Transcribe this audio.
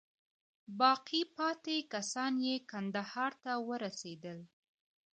باقي پاته کسان یې کندهار ته ورسېدل.